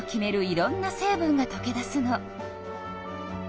いろんな成分がとけ出すの。